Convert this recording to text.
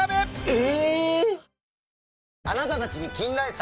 え！